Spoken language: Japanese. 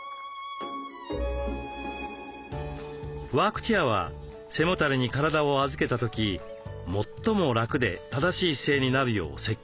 ワークチェアは背もたれに体を預けた時最も楽で正しい姿勢になるよう設計されています。